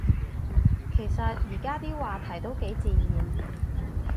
其實而家啲話題都幾自然